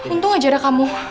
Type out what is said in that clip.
untung aja ada kamu